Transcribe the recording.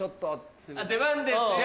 「出番ですよ」